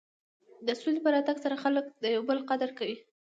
د سولې په راتګ سره خلک د یو بل قدر کوي.